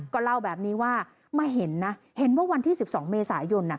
ก็เล่าแบบนี้ว่ามาเห็นว่า๑๑๒เมษายน